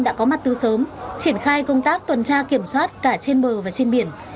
đã có mặt tư sớm triển khai công tác tuần tra kiểm soát cả trên bờ và trên biển